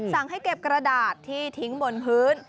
ให้เก็บกระดาษที่ทิ้งบนพื้น